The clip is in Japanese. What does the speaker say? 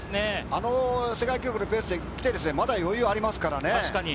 あの世界記録のペースで来て、まだ余裕がありますからね。